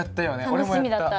楽しみだったあれ。